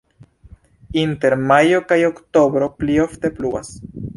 Inter majo kaj oktobro pli ofte pluvas.